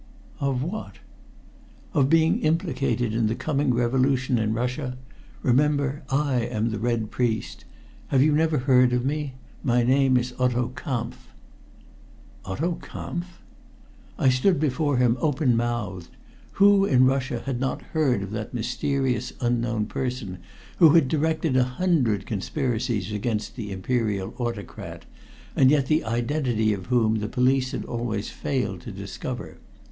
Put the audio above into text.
"Of what?" "Of being implicated in the coming revolution in Russia? Remember I am the Red Priest. Have you never heard of me? My name is Otto Kampf." Otto Kampf! I stood before him open mouthed. Who in Russia had not heard of that mysterious unknown person who had directed a hundred conspiracies against the Imperial Autocrat, and yet the identity of whom the police had always failed to discover.